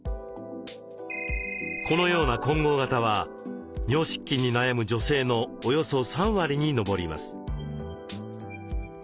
このような混合型は尿失禁に悩む女性のおよそ３割に上ります。